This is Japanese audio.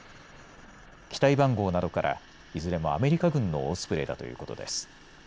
機体番号などから、いずれもアメリカ軍のオスプレイということです。